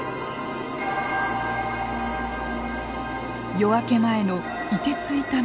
夜明け前のいてついた湖。